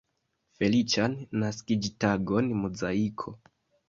Feliĉan naskiĝtagon Muzaiko!